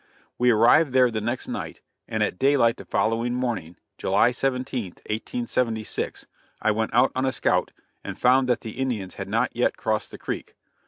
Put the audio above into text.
We arrived there the next night, and at daylight the following morning, July 17th, 1876, I went out on a scout, and found that the Indians had not yet crossed the creek.